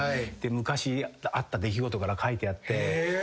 昔あった出来事から書いてあって。